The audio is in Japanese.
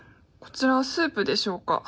こちらはスープでしょうか。